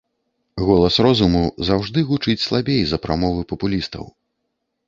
Голас розуму заўжды гучыць слабей за прамовы папулістаў.